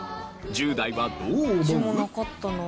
１０代はどう思う？